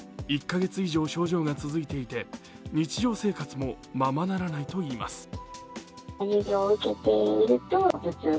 １カ月以上、症状が続いていて日常生活もままならないといいます。